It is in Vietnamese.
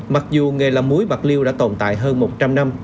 mặc dù nghề làm muối bạc liêu đã tồn tại hơn một trăm linh năm